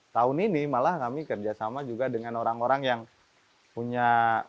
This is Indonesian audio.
tahun ini malah kami kerjasama juga dengan orang orang yang punya